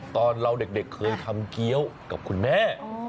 ตอนเราเด็กเคยทำเกี้ยวกับคุณแม่